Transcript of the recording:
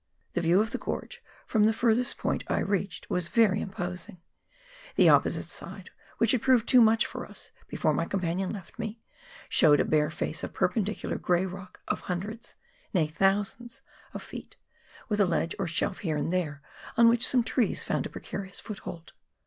The view of the gorge, from the furthest point I reached, was very imposing. The opposite side, which had proved too much for us, before my companion left me, showed a bare face of perpendicular grey rock of hundreds — nay, thousands — of feet, with a ledge or shelf, here and there, on which some trees found a precarious foothold.